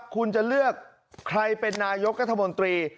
คุณจะเลือกใครเป็นนายกรัฐมนตรี